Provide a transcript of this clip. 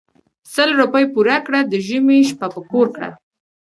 سل روپی پور کړه د ژمي شپه په کور کړه .